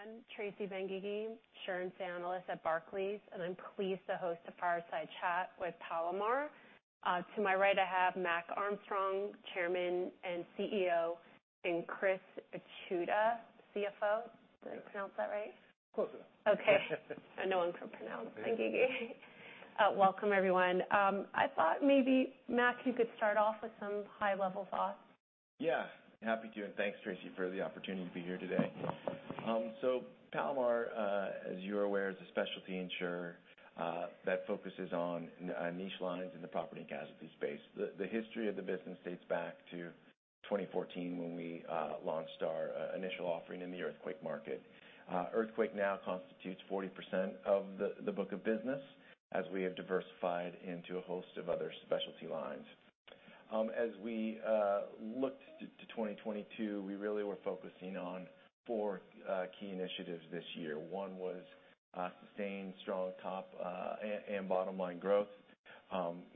Hello, everyone. Tracy Benguigui, insurance analyst at Barclays, and I'm pleased to host a fireside chat with Palomar. To my right, I have Mac Armstrong, Chairman and CEO, and Chris Uchida, CFO. Did I pronounce that right? Close enough. Okay. I know I'm from pronounce [Benguigui]. Welcome, everyone. I thought maybe, Mac, you could start off with some high-level thoughts. Yeah, happy to, and thanks, Tracy, for the opportunity to be here today. Palomar as you're aware, is a specialty insurer that focuses on niche lines in the property and casualty space. The history of the business dates back to 2014 when we launched our initial offering in the earthquake market. Earthquake now constitutes 40% of the book of business, as we have diversified into a host of other specialty lines. As we looked to 2022, we really were focusing on four key initiatives this year. One was sustained strong top and bottom line growth,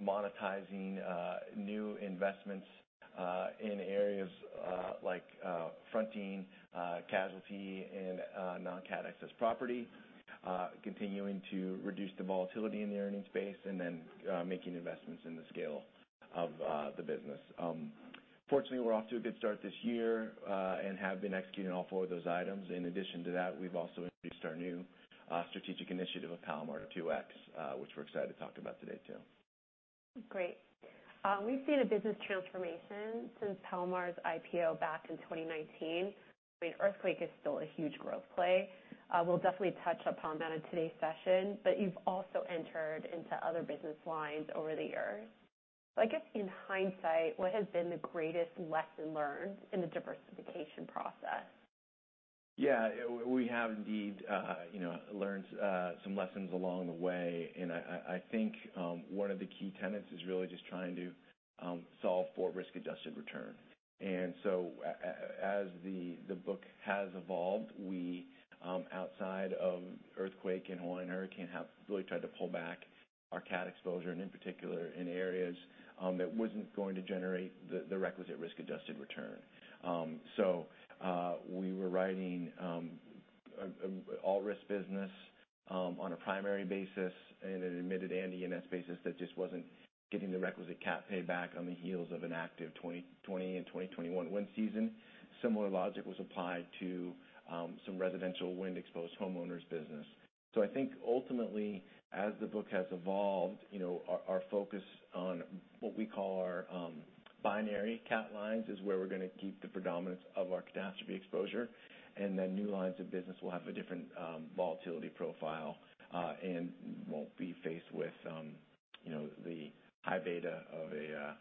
monetizing new investments in areas like fronting casualty and non-cat excess property, continuing to reduce the volatility in the earnings base, then making investments in the scale of the business. Fortunately, we're off to a good start this year and have been executing all four of those items. In addition to that, we've also introduced our new strategic initiative of Palomar 2X, which we're excited to talk about today, too. Great. We've seen a business transformation since Palomar's IPO back in 2019. I mean, earthquake is still a huge growth play. We'll definitely touch upon that in today's session, but you've also entered into other business lines over the years. I guess in hindsight, what has been the greatest lesson learned in the diversification process? Yeah. We have indeed learned some lessons along the way, I think one of the key tenets is really just trying to solve for risk-adjusted return. As the book has evolved, we, outside of earthquake and wind hurricane, have really tried to pull back our cat exposure, and in particular in areas that wasn't going to generate the requisite risk-adjusted return. We were riding all risk business on a primary basis and an admitted and E&S basis that just wasn't getting the requisite cat payback on the heels of an active 2020 and 2021 wind season. Similar logic was applied to some residential wind exposed homeowners business. I think ultimately, as the book has evolved, our focus on what we call our binary cat lines is where we're going to keep the predominance of our catastrophe exposure, and then new lines of business will have a different volatility profile and won't be faced with the high beta of a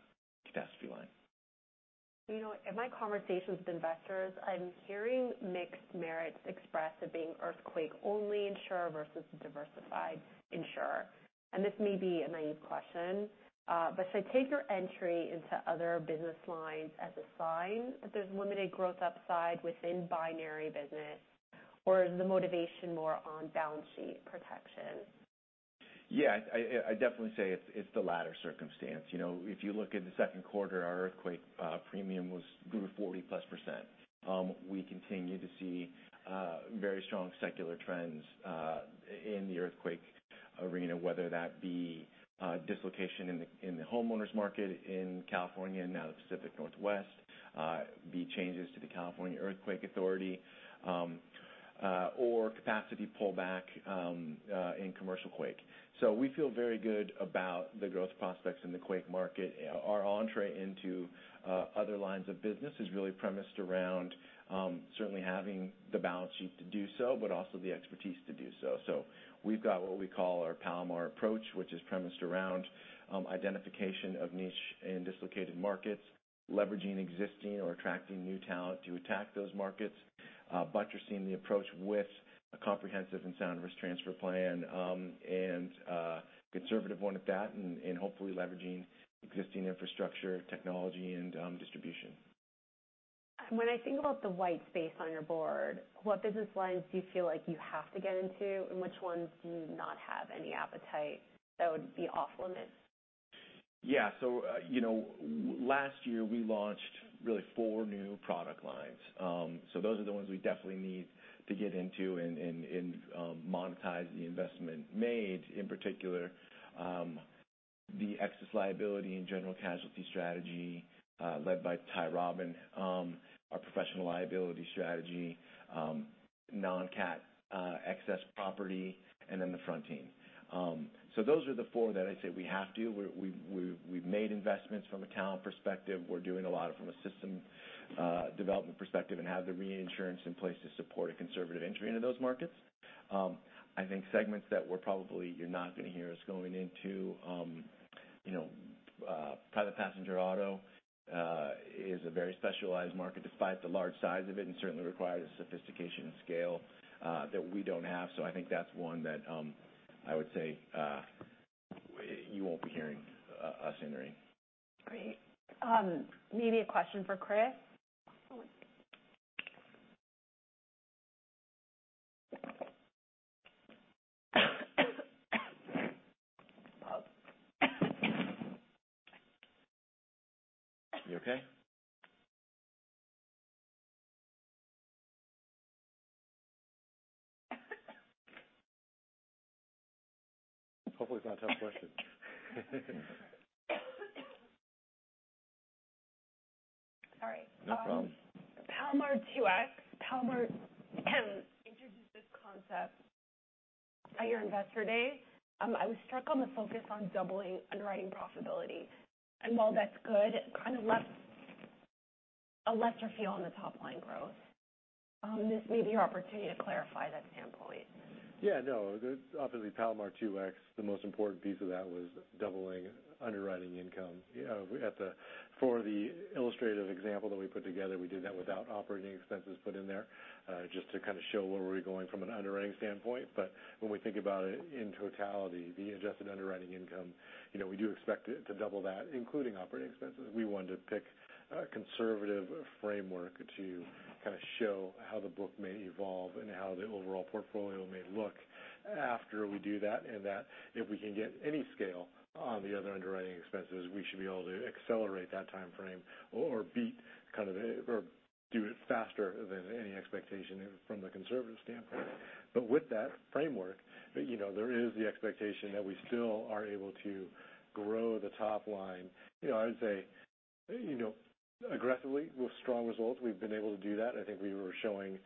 catastrophe line. In my conversations with investors, I'm hearing mixed merits expressed of being earthquake-only insurer versus a diversified insurer. This may be a naive question, but should I take your entry into other business lines as a sign that there's limited growth upside within binary business? Or is the motivation more on balance sheet protection? Yeah. I'd definitely say it's the latter circumstance. If you look at the second quarter, our earthquake premium grew 40-plus %. We continue to see very strong secular trends in the earthquake arena, whether that be dislocation in the homeowners market in California and now the Pacific Northwest, be changes to the California Earthquake Authority or capacity pullback in commercial quake. We feel very good about the growth prospects in the quake market. Our entrée into other lines of business is really premised around certainly having the balance sheet to do so, but also the expertise to do so. We've got what we call our Palomar approach, which is premised around identification of niche and dislocated markets, leveraging existing or attracting new talent to attack those markets, buttressing the approach with a comprehensive and sound risk transfer plan, and a conservative one at that, hopefully leveraging existing infrastructure, technology, and distribution. When I think about the white space on your board, what business lines do you feel like you have to get into, and which ones do you not have any appetite that would be off-limits? Yeah. Last year we launched really four new product lines. Those are the ones we definitely need to get into and monetize the investment made, in particular, the excess liability and general casualty strategy led by Ty Robben, our professional liability strategy, non-cat excess property, and then the fronting. Those are the four that I'd say we have to. We've made investments from a talent perspective. We're doing a lot from a system development perspective and have the reinsurance in place to support a conservative entry into those markets. I think segments that we're probably you're not going to hear us going into, private passenger auto is a very specialized market despite the large size of it, and certainly requires a sophistication and scale that we don't have. I think that's one that I would say you won't be hearing us entering. Great. Maybe a question for Chris. You okay? Hopefully it's not a tough question. Sorry. No problem. Palomar 2X. Palomar introduced this concept at your Investor Day. I was struck on the focus on doubling underwriting profitability. While that's good, it kind of left a lesser feel on the top-line growth. This may be your opportunity to clarify that standpoint. Yeah, no. Obviously, Palomar 2X, the most important piece of that was doubling underwriting income. For the illustrative example that we put together, we did that without operating expenses put in there, just to kind of show where we're going from an underwriting standpoint. When we think about it in totality, the adjusted underwriting income, we do expect it to double that, including operating expenses. We wanted to pick a conservative framework to show how the book may evolve and how the overall portfolio may look after we do that, and that if we can get any scale on the other underwriting expenses, we should be able to accelerate that timeframe or do it faster than any expectation from the conservative standpoint. With that framework, there is the expectation that we still are able to grow the top line. I would say, aggressively with strong results, we've been able to do that. I think we were showing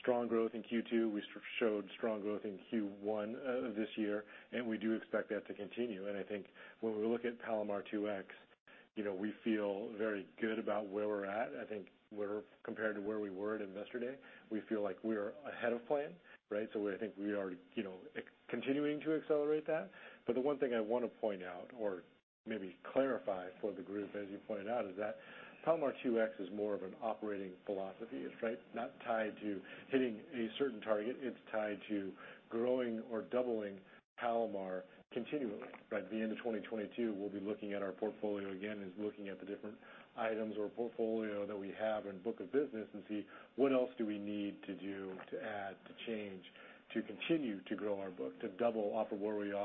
strong growth in Q2. We showed strong growth in Q1 of this year, we do expect that to continue. I think when we look at Palomar 2X, we feel very good about where we're at. I think compared to where we were at Investor Day, we feel like we are ahead of plan, right? I think we are continuing to accelerate that. The one thing I want to point out, or maybe clarify for the group, as you pointed out, is that Palomar 2X is more of an operating philosophy. It's not tied to hitting a certain target. It's tied to growing or doubling Palomar continually. By the end of 2022, we'll be looking at our portfolio again as looking at the different items or portfolio that we have and book of business and see what else do we need to do to add, to change, to continue to grow our book, to double off of where we're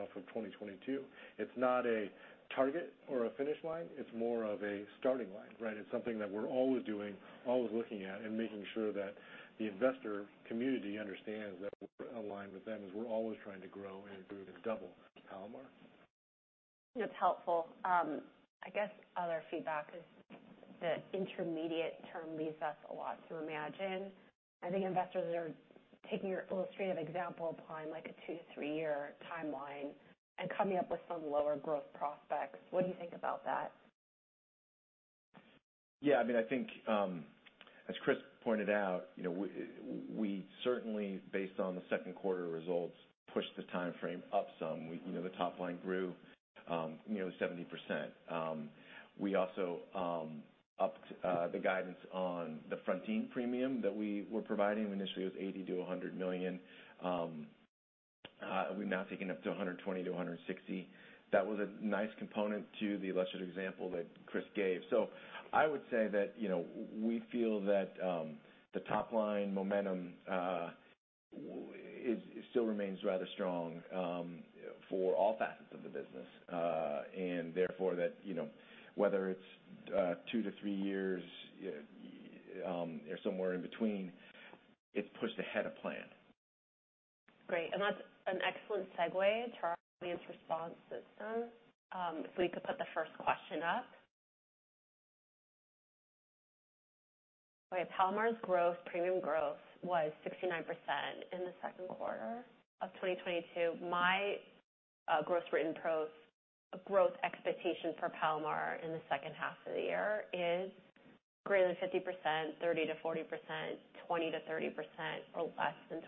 off of 2022. It's not a target or a finish line. It's more of a starting line, right? It's something that we're always doing, always looking at, and making sure that the investor community understands that we're aligned with them as we're always trying to grow and improve and double Palomar. That's helpful. I guess other feedback is the intermediate term leaves us a lot to imagine. I think investors are taking your illustrative example upon a 2- to 3-year timeline and coming up with some lower growth prospects. What do you think about that? Yeah, I think as Chris pointed out, we certainly, based on the second quarter results, pushed the timeframe up some. The top line grew nearly 70%. We also upped the guidance on the fronting premium that we were providing. Initially, it was $80 million-$100 million. We've now taken it up to $120 million-$160 million. That was a nice component to the illustrative example that Chris gave. I would say that we feel that the top-line momentum still remains rather strong for all facets of the business. Therefore, whether it's 2 to 3 years or somewhere in between, it's pushed ahead of plan. Great, that's an excellent segue to our audience response system. If we could put the first question up. Palomar's growth, premium growth was 69% in the second quarter of 2022. My gross written premium growth expectation for Palomar in the second half of the year is greater than 50%, 30%-40%, 20%-30%, or less than 20%.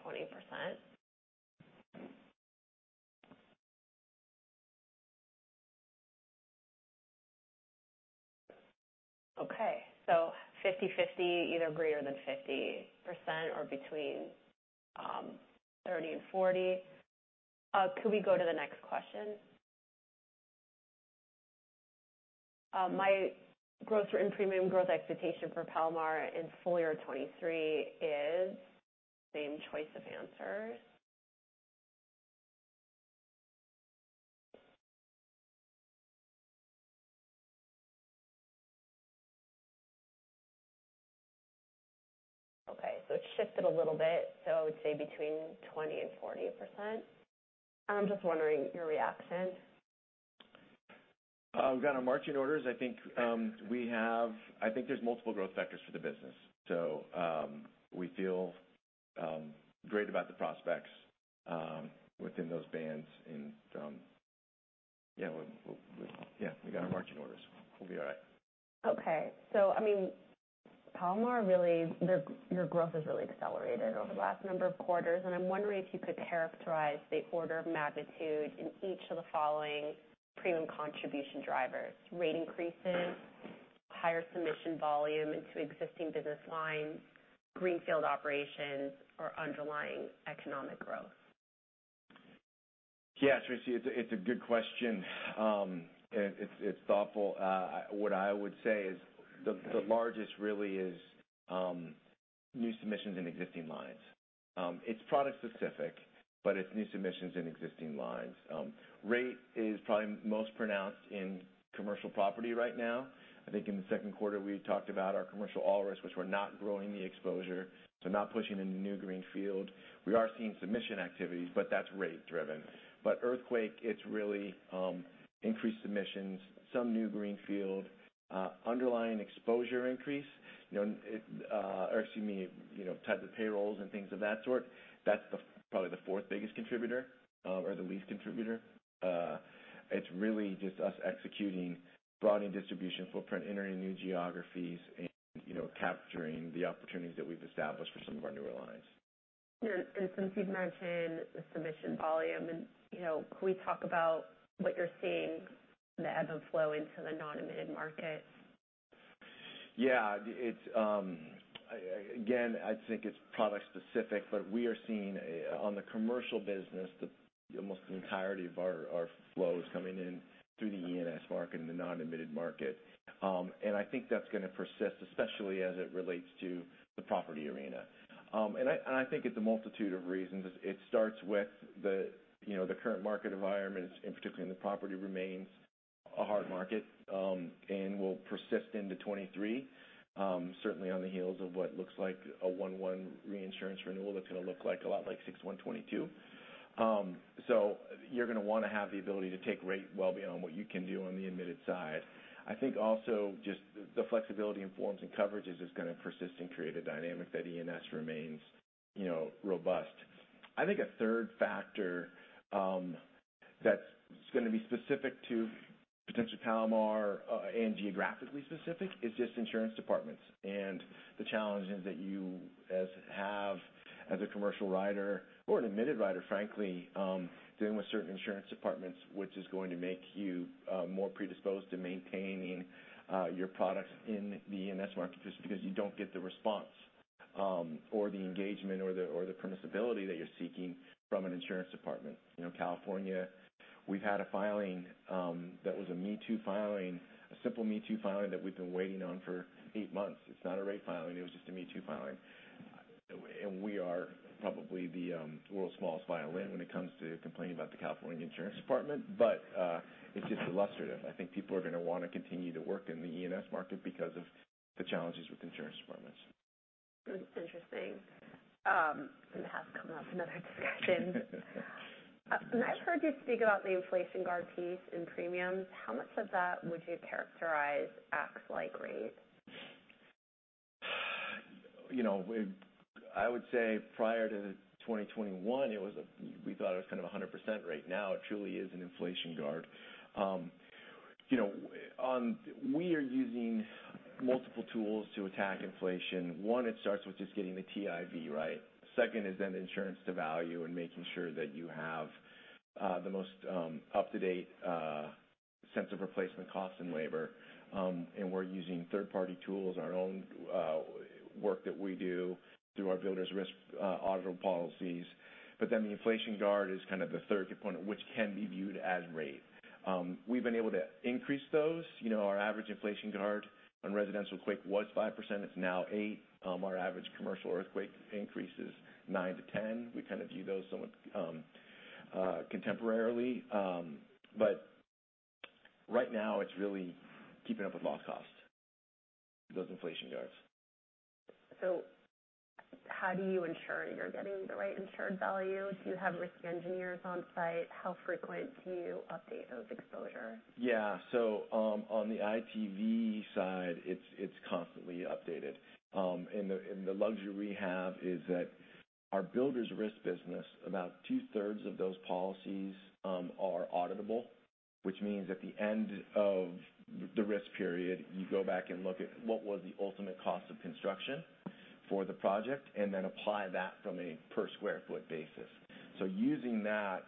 50/50, either greater than 50% or between 30% and 40%. Could we go to the next question? My gross written premium growth expectation for Palomar in full year 2023 is? Same choice of answers. It shifted a little bit. I would say between 20% and 40%. I'm just wondering your reaction. We've got our marching orders. I think there's multiple growth vectors for the business. We feel great about the prospects within those bands, we got our marching orders. We'll be all right. Okay. Palomar, your growth has really accelerated over the last number of quarters, and I'm wondering if you could characterize the order of magnitude in each of the following premium contribution drivers, rate increases, higher submission volume into existing business lines, greenfield operations, or underlying economic growth? Yeah, Tracy, it's a good question. It's thoughtful. What I would say is the largest really is New submissions in existing lines. It's product specific, but it's new submissions in existing lines. Rate is probably most pronounced in commercial property right now. I think in the second quarter, we talked about our commercial all risks, which we're not growing the exposure, so not pushing into new greenfield. We are seeing submission activities, but that's rate driven. Earthquake, it's really increased submissions, some new greenfield. Underlying exposure increase or excuse me, types of payrolls and things of that sort, that's probably the fourth biggest contributor or the least contributor. It's really just us executing, broadening distribution footprint, entering new geographies, and capturing the opportunities that we've established for some of our newer lines. Since you've mentioned the submission volume, can we talk about what you're seeing the ebb and flow into the non-admitted market? Yeah. Again, I think it's product specific, but we are seeing on the commercial business, almost the entirety of our flows coming in through the E&S market and the non-admitted market. I think that's going to persist, especially as it relates to the property arena. I think it's a multitude of reasons. It starts with the current market environment, and particularly the property remains a hard market and will persist into 2023. Certainly on the heels of what looks like a 1/1 reinsurance renewal, that's going to look a lot like 6/1/22. You're going to want to have the ability to take rate well beyond what you can do on the admitted side. I think also just the flexibility in forms and coverages is going to persist and create a dynamic that E&S remains robust. I think a third factor that's going to be specific to potentially Palomar and geographically specific is just insurance departments and the challenges that you have as a commercial writer or an admitted writer, frankly, dealing with certain insurance departments, which is going to make you more predisposed to maintaining your products in the E&S market, just because you don't get the response or the engagement or the permissibility that you're seeking from an insurance department. California, we've had a filing that was a me-too filing, a simple me-too filing that we've been waiting on for 8 months. It's not a rate filing. It was just a me-too filing. We are probably the world's smallest violin when it comes to complaining about the California Insurance Department. It's just illustrative. I think people are going to want to continue to work in the E&S market because of the challenges with insurance departments. That's interesting. It has come up in other discussions. I've heard you speak about the inflation guard piece in premiums. How much of that would you characterize acts like rate? I would say prior to 2021, we thought it was kind of 100% rate. Now it truly is an inflation guard. We are using multiple tools to attack inflation. One, it starts with just getting the TIV, right? Second is insurance to value and making sure that you have the most up-to-date sense of replacement cost and labor. We're using third-party tools, our own work that we do through our builder's risk auditable policies. The inflation guard is kind of the third component, which can be viewed as rate. We've been able to increase those. Our average inflation guard on residential quake was 5%. It's now 8%. Our average commercial earthquake increase is 9%-10%. We kind of view those somewhat contemporarily. Right now, it's really keeping up with loss cost, those inflation guards. How do you ensure you're getting the right insured value? Do you have risk engineers on site? How frequent do you update those exposures? Yeah. On the ITV side, it's constantly updated. The luxury we have is that our builder's risk business, about two-thirds of those policies are auditable, which means at the end of the risk period, you go back and look at what was the ultimate cost of construction for the project and then apply that from a per square foot basis. Using that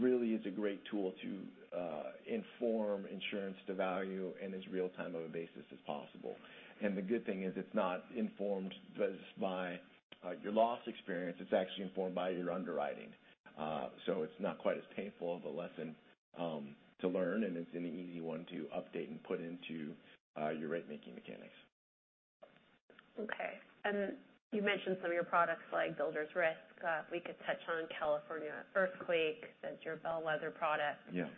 really is a great tool to inform insurance to value in as real time of a basis as possible. The good thing is it's not informed just by your loss experience. It's actually informed by your underwriting. It's not quite as painful of a lesson to learn, and it's an easy one to update and put into your rate-making mechanics. Okay. You mentioned some of your products, like builder's risk. We could touch on California earthquake. That's your bellwether product. Yeah.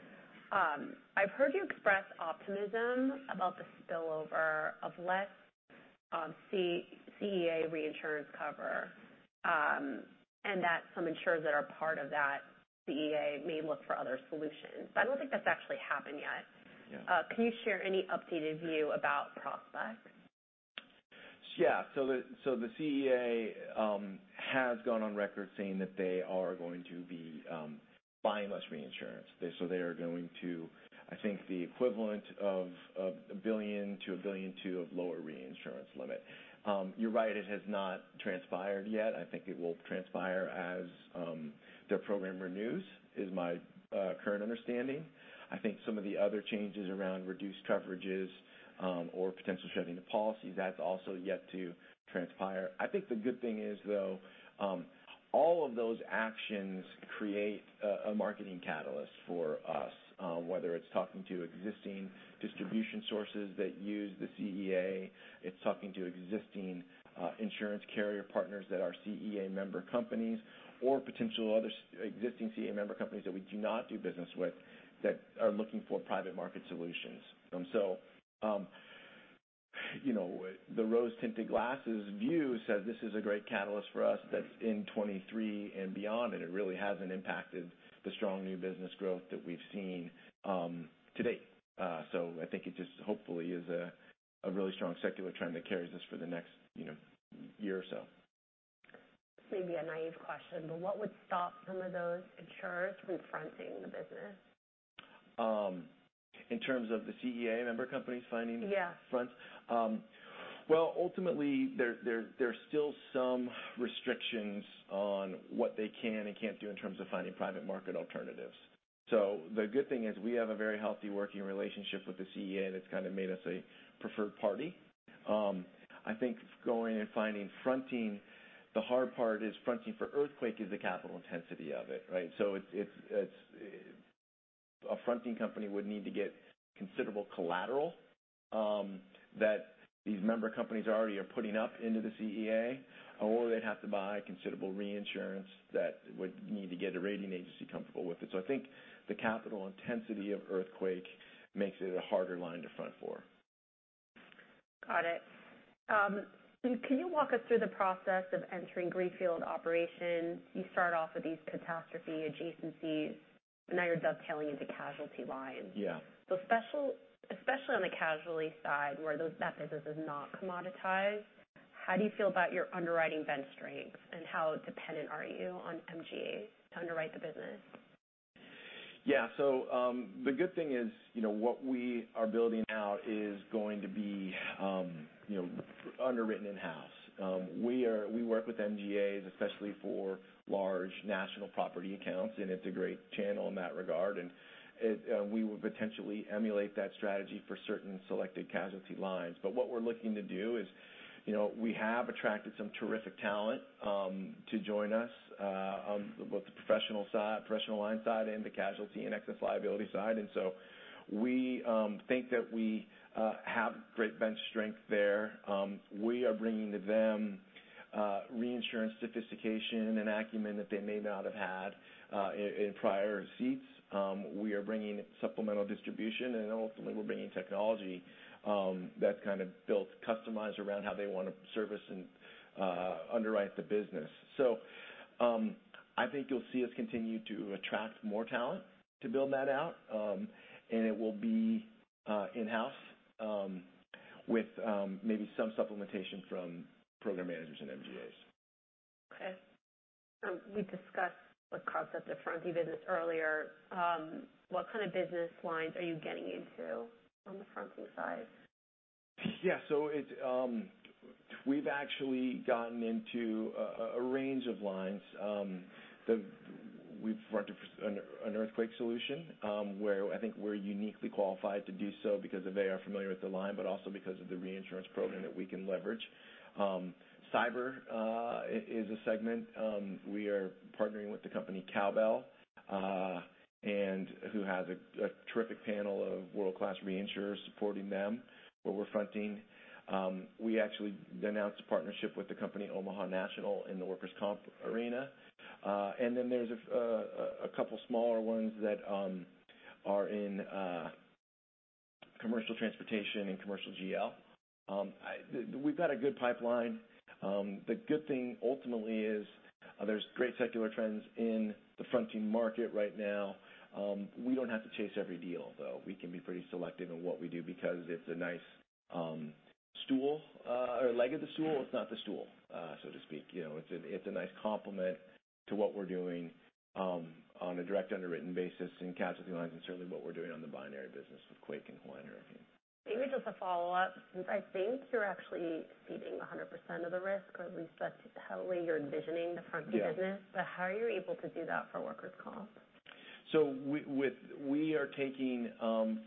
I've heard you express optimism about the spillover of less CEA reinsurance cover and that some insurers that are part of that CEA may look for other solutions, but I don't think that's actually happened yet. Yeah. Can you share any updated view about prospects? The CEA has gone on record saying that they are going to be buying less reinsurance. They are going to, I think, the equivalent of $1 billion to $1.2 billion of lower reinsurance limit. You're right, it has not transpired yet. I think it will transpire as their program renews is my current understanding. I think some of the other changes around reduced coverages or potential shedding of policies, that's also yet to transpire. I think the good thing is, though, all of those actions create a marketing catalyst for us, whether it's talking to existing distribution sources that use the CEA, it's talking to existing insurance carrier partners that are CEA member companies, or potential other existing CEA member companies that we do not do business with that are looking for private market solutions. The rose-tinted glasses view says this is a great catalyst for us that's in 2023 and beyond, and it really hasn't impacted the strong new business growth that we've seen to date. I think it just hopefully is a really strong secular trend that carries us for the next year or so. This may be a naive question, but what would stop some of those insurers from fronting the business? In terms of the CEA member companies finding fronts? Yeah. Well, ultimately, there are still some restrictions on what they can and can't do in terms of finding private market alternatives. The good thing is we have a very healthy working relationship with the CEA that's kind of made us a preferred party. I think going and finding fronting, the hard part is fronting for earthquake is the capital intensity of it, right? A fronting company would need to get considerable collateral that these member companies already are putting up into the CEA, or they'd have to buy considerable reinsurance that would need to get a rating agency comfortable with it. I think the capital intensity of earthquake makes it a harder line to front for. Got it. Can you walk us through the process of entering greenfield operations? You start off with these catastrophe adjacencies, and now you're dovetailing into casualty lines. Yeah. Especially on the casualty side, where that business is not commoditized, how do you feel about your underwriting bench strength, and how dependent are you on MGAs to underwrite the business? Yeah. The good thing is what we are building out is going to be underwritten in-house. We work with MGAs, especially for large national property accounts, and it's a great channel in that regard. We will potentially emulate that strategy for certain selected casualty lines. What we're looking to do is we have attracted some terrific talent to join us on both the professional line side and the casualty and excess liability side. We think that we have great bench strength there. We are bringing to them reinsurance sophistication and acumen that they may not have had in prior seats. We are bringing supplemental distribution, and ultimately, we're bringing technology that's kind of built customized around how they want to service and underwrite the business. I think you'll see us continue to attract more talent to build that out, and it will be in-house with maybe some supplementation from program managers and MGAs. Okay. We discussed the concept of fronting business earlier. What kind of business lines are you getting into on the fronting side? Yeah. We've actually gotten into a range of lines. We've fronted an earthquake solution where I think we're uniquely qualified to do so because of A, are familiar with the line, but also because of the reinsurance program that we can leverage. Cyber is a segment. We are partnering with the company Cowbell, who has a terrific panel of world-class reinsurers supporting them, where we're fronting. We actually announced a partnership with the company Omaha National in the workers' comp arena. There's a couple smaller ones that are in commercial transportation and commercial GL. We've got a good pipeline. The good thing ultimately is there's great secular trends in the fronting market right now. We don't have to chase every deal, though. We can be pretty selective in what we do because it's a nice leg of the stool. It's not the stool, so to speak. It's a nice complement to what we're doing on a direct underwritten basis in casualty lines and certainly what we're doing on the binary business with quake and Hawaiian hurricane. Maybe just a follow-up. I think you're actually ceding 100% of the risk, or at least that's how you're envisioning the fronting business. Yeah. How are you able to do that for workers' comp?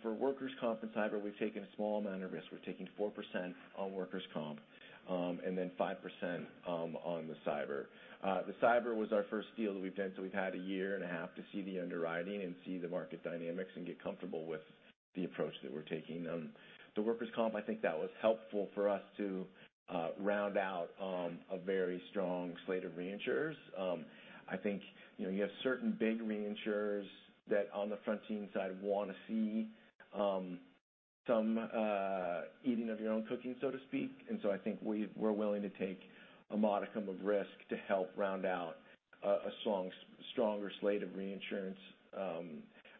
For workers' comp and cyber, we've taken a small amount of risk. We're taking 4% on workers' comp and then 5% on the cyber. The cyber was our first deal that we've done, so we've had a year and a half to see the underwriting and see the market dynamics and get comfortable with the approach that we're taking. The workers' comp, I think that was helpful for us to round out a very strong slate of reinsurers. I think you have certain big reinsurers that on the fronting side want to see some eating of your own cooking, so to speak. I think we're willing to take a modicum of risk to help round out a stronger slate of reinsurance,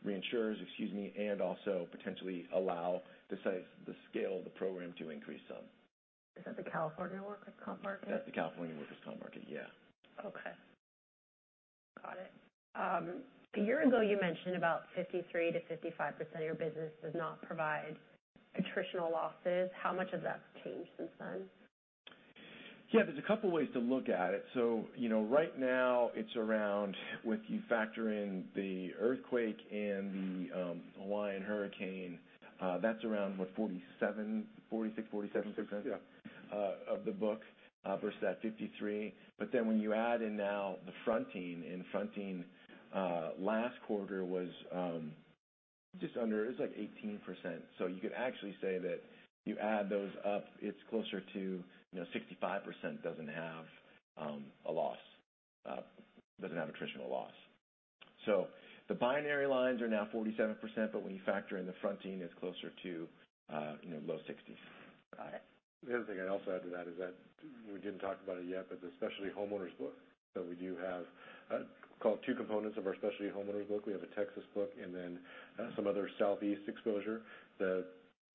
reinsurers, excuse me, and also potentially allow the scale of the program to increase some. Is that the California workers' comp market? That's the California workers' comp market, yeah. Okay. Got it. A year ago, you mentioned about 53%-55% of your business does not provide attritional losses. How much has that changed since then? Yeah, there's a couple ways to look at it. Right now, if you factor in the earthquake and the Hawaiian hurricane, that's around what? 46%-47%? 47%, yeah. Of the book versus that 53%. When you add in now the fronting, and fronting last quarter was just under, it was like 18%. You could actually say that you add those up, it's closer to 65% doesn't have a traditional loss. The binary lines are now 47%, but when you factor in the fronting, it's closer to low 60s. Got it. The other thing I'd also add to that is that we didn't talk about it yet, but the specialty homeowners book that we do have. Call it two components of our specialty homeowners book. We have a Texas book and then some other Southeast exposure. The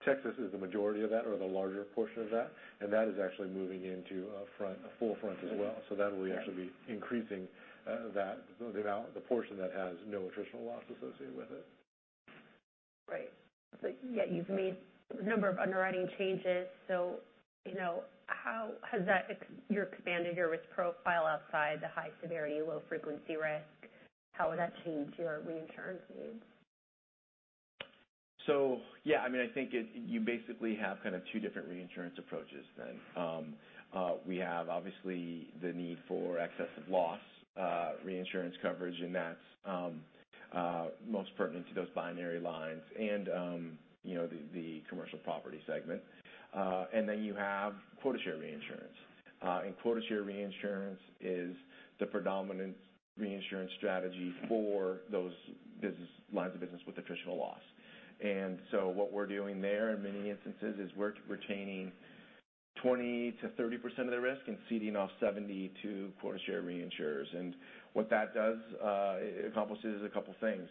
Texas is the majority of that or the larger portion of that, and that is actually moving into a full front as well. That will actually be increasing the portion that has no attritional loss associated with it. Right. You've made a number of underwriting changes. How has that expanded your risk profile outside the high severity, low frequency risk? How would that change your reinsurance needs? I think you basically have kind of two different reinsurance approaches then. We have, obviously, the need for excess of loss reinsurance coverage, and that's most pertinent to those binary lines and the commercial property segment. You have quota share reinsurance. Quota share reinsurance is the predominant reinsurance strategy for those lines of business with attritional loss. What we're doing there in many instances is we're retaining 20%-30% of the risk and ceding off 70% to quota share reinsurers. What that does, it accomplishes a couple things.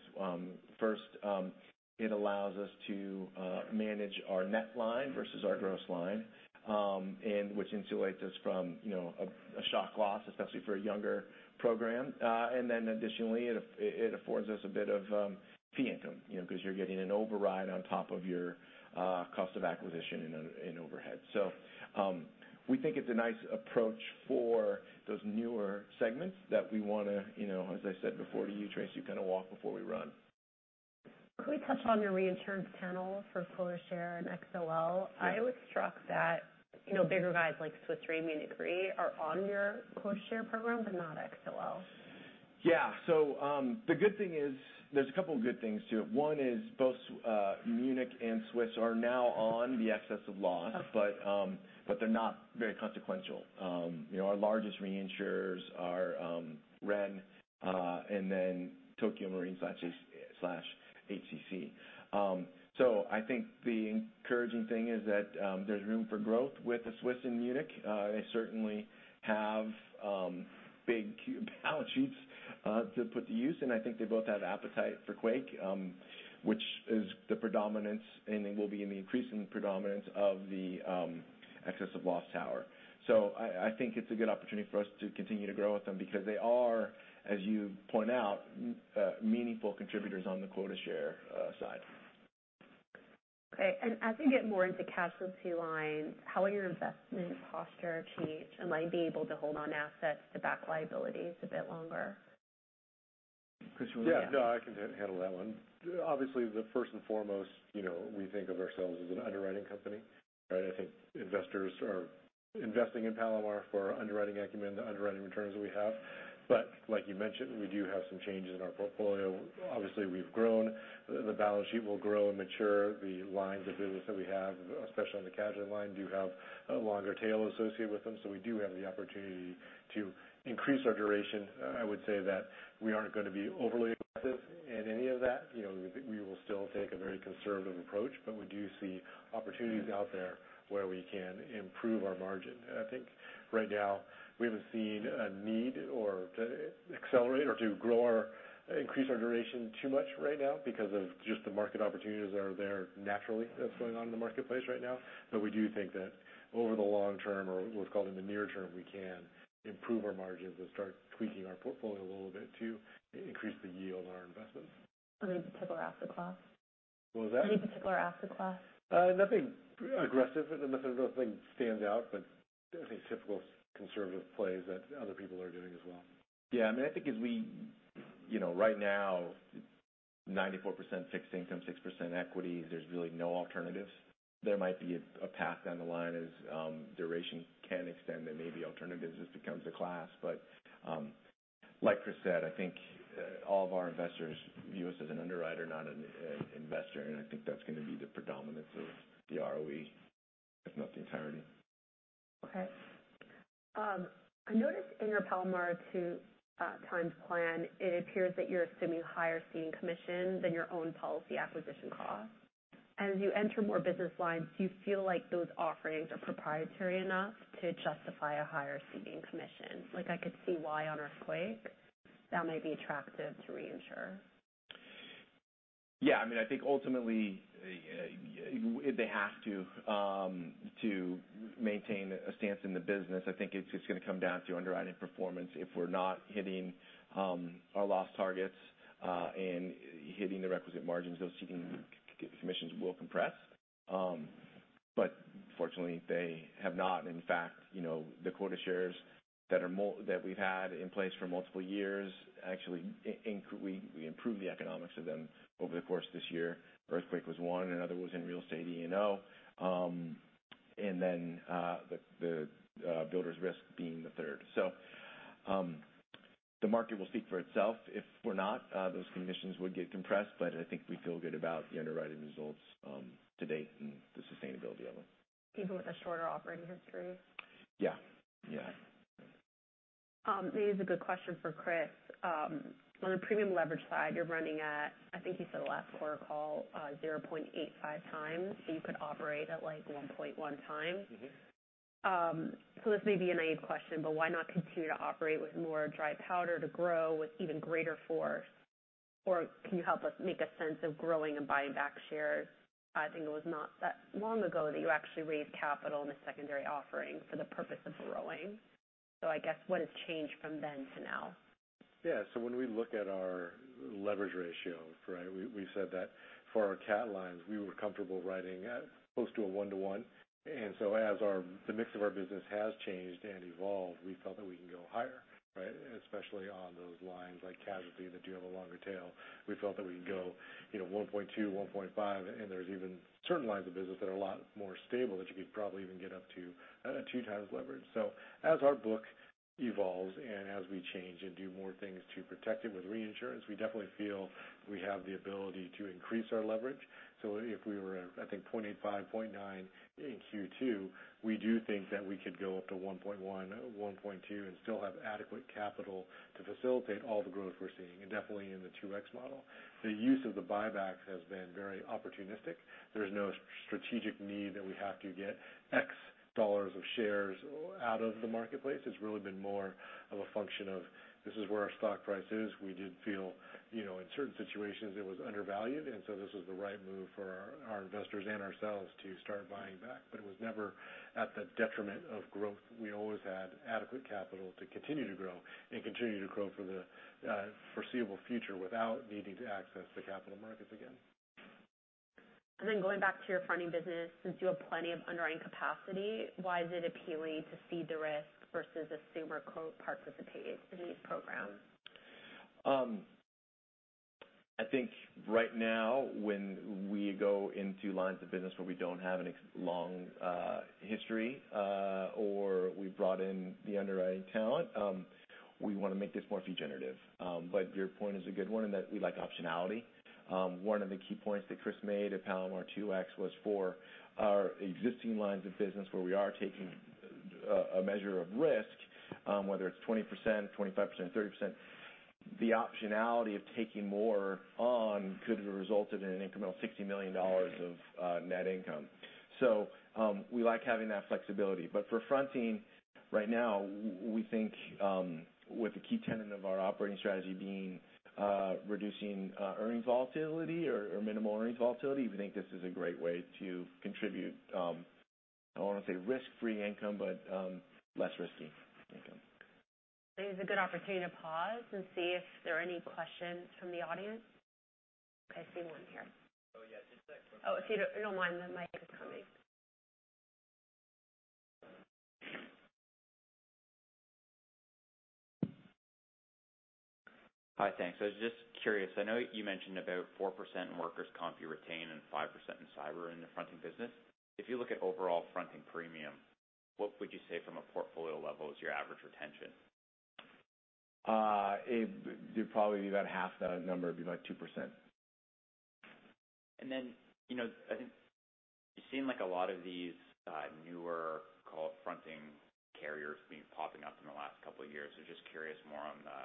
First, it allows us to manage our net line versus our gross line, which insulates us from a shock loss, especially for a younger program. Additionally, it affords us a bit of fee income, because you're getting an override on top of your cost of acquisition and overhead. We think it's a nice approach for those newer segments that we want to, as I said before to you, Tracy, kind of walk before we run. Can we touch on your reinsurance panel for quota share and XOL? Yeah. I was struck that bigger guys like Swiss Re, Munich Re are on your quota share program, but not XOL. Yeah. There's a couple good things to it. One is both Munich and Swiss are now on the excess of loss. Okay. They're not very consequential. Our largest reinsurers are Ren and then Tokio Marine HCC. I think the encouraging thing is that there's room for growth with the Swiss and Munich. They certainly have big balance sheets to put to use, and I think they both have appetite for quake, which is the predominance and will be an increasing predominance of the excess of loss tower. I think it's a good opportunity for us to continue to grow with them because they are, as you point out, meaningful contributors on the quota share side. Okay. As you get more into casualty lines, how will your investment posture change? Might you be able to hold on assets to back liabilities a bit longer? Chris, you want to- Yeah. No, I can handle that one. Obviously, the first and foremost, we think of ourselves as an underwriting company, right? I think investors are investing in Palomar for our underwriting acumen, the underwriting returns that we have. Like you mentioned, we do have some changes in our portfolio. Obviously, we've grown. The balance sheet will grow and mature. The lines of business that we have, especially on the casualty line, do have a longer tail associated with them. We do have the opportunity to increase our duration. I would say that we aren't going to be overly aggressive in any of that. We will still take a very conservative approach, but we do see opportunities out there where we can improve our margin. I think right now we haven't seen a need to accelerate or to increase our duration too much right now because of just the market opportunities that are there naturally that's going on in the marketplace right now. We do think that over the long term or what's called in the near term, we can improve our margins and start tweaking our portfolio a little bit to increase the yield on our investments. Any particular asset class? What was that? Any particular asset class? Nothing aggressive. Nothing stands out, but I think typical conservative plays that other people are doing as well. Yeah. I think right now 94% fixed income, 6% equity, there's really no alternatives. There might be a path down the line as duration can extend, there may be alternatives as it comes to class. But like Chris said, I think all of our investors view us as an underwriter, not an investor, and I think that's going to be the predominance of the ROE, if not the entirety. Okay. I noticed in your Palomar 2X plan, it appears that you're assuming higher ceding commission than your own policy acquisition cost. As you enter more business lines, do you feel like those offerings are proprietary enough to justify a higher ceding commission? Like I could see why on earthquake that might be attractive to reinsure. Yeah. I think ultimately, if they have to maintain a stance in the business, I think it's going to come down to underwriting performance. If we're not hitting our loss targets, and hitting the requisite margins, those ceding commissions will compress. Fortunately, they have not. In fact, the quota shares that we've had in place for multiple years, actually, we improved the economics of them over the course of this year. Earthquake was one, another was in real estate E&O, and then the builder's risk being the third. The market will speak for itself. If we're not, those commissions would get compressed, but I think we feel good about the underwriting results to date and the sustainability of them. Even with a shorter operating history? Yeah. Maybe this is a good question for Chris. On the premium leverage side, you're running at, I think you said the last quarter call, 0.85 times, and you could operate at like 1.1 times. This may be a naive question, but why not continue to operate with more dry powder to grow with even greater force? Can you help us make a sense of growing and buying back shares? I think it was not that long ago that you actually raised capital in a secondary offering for the purpose of growing. I guess what has changed from then to now? Yeah. When we look at our leverage ratio, we said that for our cat lines, we were comfortable riding at close to a 1-to-1. As the mix of our business has changed and evolved, we felt that we can go higher, right? Especially on those lines like casualty that do have a longer tail. We felt that we could go 1.2, 1.5, and there's even certain lines of business that are a lot more stable that you could probably even get up to two times leverage. As our book evolves and as we change and do more things to protect it with reinsurance, we definitely feel we have the ability to increase our leverage. If we were at, I think, 0.85, 0.9 in Q2, we do think that we could go up to 1.1.2 and still have adequate capital to facilitate all the growth we're seeing, and definitely in the 2X model. The use of the buybacks has been very opportunistic. There's no strategic need that we have to get $X of shares out of the marketplace. It's really been more of a function of this is where our stock price is. We did feel, in certain situations, it was undervalued, and this was the right move for our investors and ourselves to start buying back. It was never at the detriment of growth. We always had adequate capital to continue to grow and continue to grow for the foreseeable future without needing to access the capital markets again. Going back to your fronting business, since you have plenty of underwriting capacity, why is it appealing to cede the risk versus a surplus quote participating in these programs? I think right now, when we go into lines of business where we don't have a long history or we've brought in the underwriting talent, we want to make this more fee generative. Your point is a good one in that we like optionality. One of the key points that Chris made at Palomar 2X was for our existing lines of business where we are taking a measure of risk, whether it's 20%, 25%, 30%, the optionality of taking more on could have resulted in an incremental $60 million of net income. We like having that flexibility. For fronting right now, we think with the key tenet of our operating strategy being reducing earnings volatility or minimal earnings volatility, we think this is a great way to contribute, I don't want to say risk-free income, but less risky income. Maybe it's a good opportunity to pause and see if there are any questions from the audience. Okay, I see one here. Yeah. Just a quick one. If you don't mind, the mic is coming. Hi, thanks. I was just curious, I know you mentioned about 4% in workers' comp you retain and 5% in Cyber in the fronting business. If you look at overall fronting premium, what would you say from a portfolio level is your average retention? It'd probably be about half that number. It'd be like 2%. I think you've seen like a lot of these newer fronting carriers popping up in the last couple of years. Just curious more on the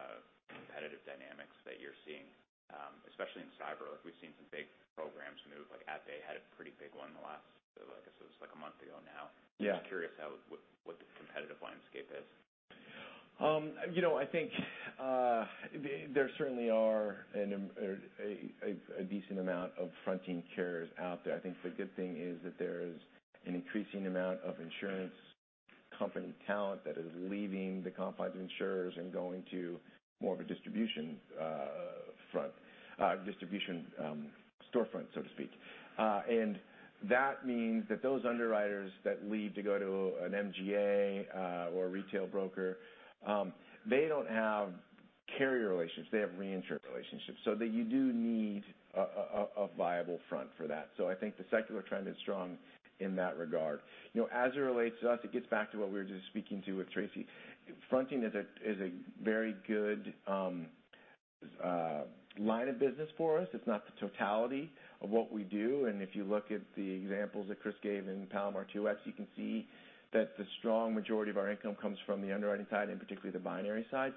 competitive dynamics that you're seeing, especially in Cyber. We've seen some big programs move, like At-Bay had a pretty big one in the last, I guess it was a month ago now. Yeah. I'm just curious what the competitive landscape is. I think there certainly are a decent amount of fronting carriers out there. I think the good thing is that there's an increasing amount of insurance company talent that is leaving the composite insurers and going to more of a distribution storefront, so to speak. That means that those underwriters that leave to go to an MGA or a retail broker, they don't have carrier relationships, they have reinsurer relationships. That you do need a viable front for that. I think the secular trend is strong in that regard. As it relates to us, it gets back to what we were just speaking to with Tracy. Fronting is a very good line of business for us. It's not the totality of what we do, if you look at the examples that Chris gave in Palomar 2X, you can see that the strong majority of our income comes from the underwriting side, and particularly the binary side.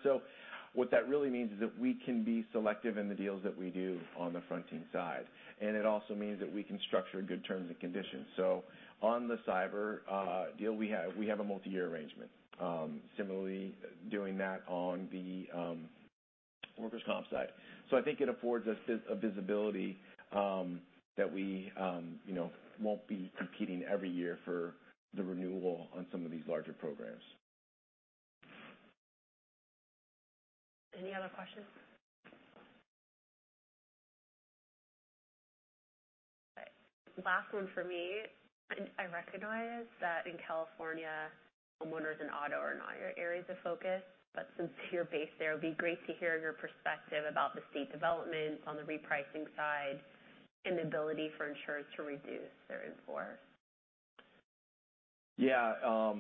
What that really means is that we can be selective in the deals that we do on the fronting side. It also means that we can structure good terms and conditions. On the cyber deal, we have a multi-year arrangement. Similarly, doing that on the workers' comp side. I think it affords us a visibility that we won't be competing every year for the renewal on some of these larger programs. Any other questions? Okay. Last one for me. I recognize that in California, homeowners and auto are not your areas of focus, but since you're based there, it would be great to hear your perspective about the state developments on the repricing side and the ability for insurers to reduce their in-force.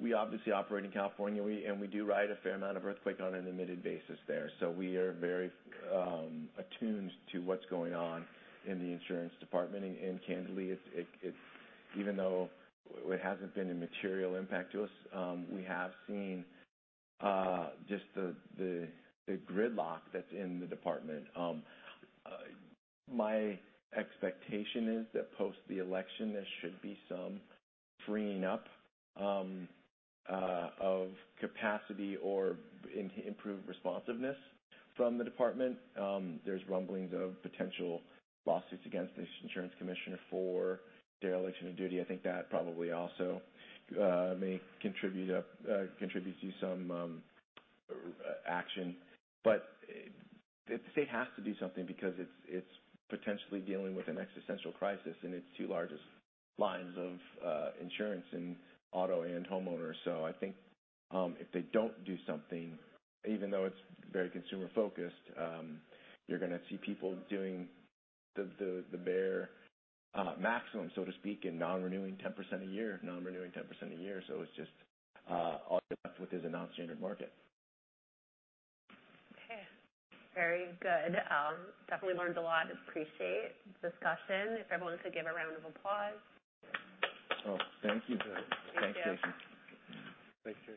We obviously operate in California, we do write a fair amount of earthquake on an admitted basis there. We are very attuned to what's going on in the Insurance Department. Candidly, even though it hasn't been a material impact to us, we have seen just the gridlock that's in the Department. My expectation is that post the election, there should be some freeing up of capacity or improved responsiveness from the Department. There's rumblings of potential lawsuits against the Insurance Commissioner for dereliction of duty. I think that probably also may contribute to some action. The state has to do something because it's potentially dealing with an existential crisis in its two largest lines of insurance in auto and homeowners. I think if they don't do something, even though it's very consumer-focused, you're going to see people doing the bare maximum, so to speak, and non-renewing 10% a year. It's just all left with is a non-standard market. Very good. Definitely learned a lot. Appreciate the discussion. If everyone could give a round of applause. Thank you. Thank you. Thanks, Tracy.